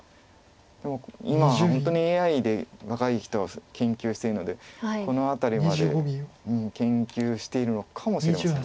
でも今本当にＡＩで若い人は研究してるのでこの辺りまで研究しているのかもしれません。